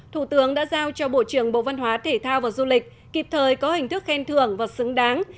thủ tướng đã giao cho bộ trưởng bộ văn hóa thể thao và du lịch kịp thời có hình thức khen thưởng và xứng đáng